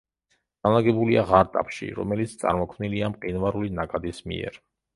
განლაგებულია ღარტაფში, რომელიც წარმოქმნილია მყინვარული ნაკადის მიერ.